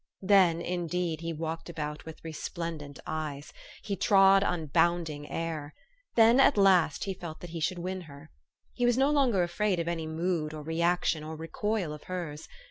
Then, indeed, he walked about with resplendent eyes. He trod on bounding air. Then, at last, he felt that he should win her. He was no longer afraid of any mood, or re action, or recoil of hers.